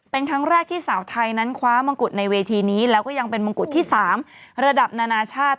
เป็นครั้งแรกที่สาวไทยนั้นคว้ามงกุฎในเวทีนี้แล้วก็ยังเป็นมงกุฎที่๓ระดับนานาชาติ